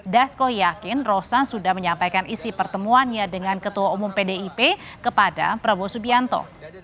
dasko yakin rosan sudah menyampaikan isi pertemuannya dengan ketua umum pdip kepada prabowo subianto